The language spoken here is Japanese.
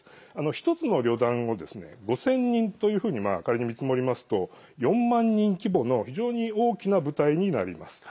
１つの旅団を５０００人というふうに仮に見積もりますと４万人規模の非常に大きな部隊になります。